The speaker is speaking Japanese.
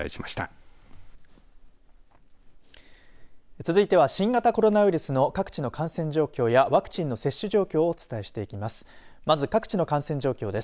続いては、新型コロナウイルスの各地の感染状況やワクチンの接種状況をお伝えしていきます。